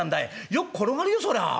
よく転がるよそらあ」。